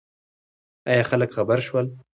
ایا خلک خبر شول؟